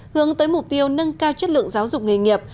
hướng tới mục tiêu nâng cao chất lượng giáo dục nghề nghiệp